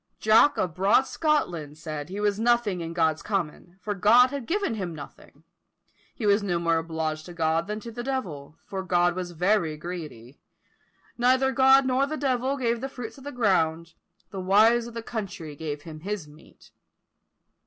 "Jock of broad Scotland" said he was nothing in God's common, for God had given him nothing; he was no more obliged to God than to the devil; for God was very greedy. Neither God nor the devil gave the fruits of the ground; the wives of the country gave him his meat.